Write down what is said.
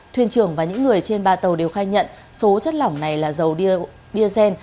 thuyền trưởng và những người trên ba tàu đều khai nhận số chất lỏng này là dầu diazen